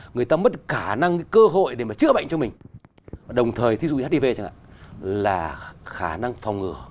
người ta mất khả năng cơ hội để mà chữa bệnh cho mình đồng thời thí dụ như hiv chẳng hạn là khả năng phòng ngừa